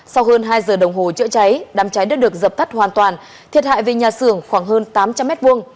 sau hơn hai giờ đồng hồ chữa cháy đám cháy đã được dập tắt hoàn toàn thiệt hại về nhà xưởng khoảng hơn tám trăm linh m hai